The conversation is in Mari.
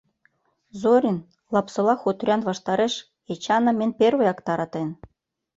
Зорин Лапсола хуторян ваштареш Эчаным эн первыяк таратен.